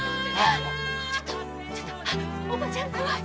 ちょっとちょっとおばちゃん怖い。